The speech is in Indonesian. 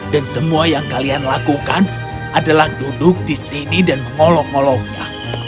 dan semua yang kalian lakukan adalah duduk di sini dan mengolok ngoloknya